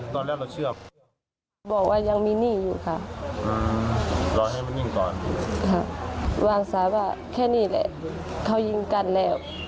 ตอนแรกเราเชื่อบอกว่ายังมีหนี้อยู่ค่ะรอให้มันนิ่งก่อนวางสายว่าแค่นี้แหละเขายิงกันแล้ว